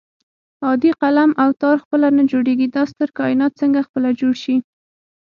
عادي قلم او تار خپله نه جوړېږي دا ستر کائنات څنګه خپله جوړ شي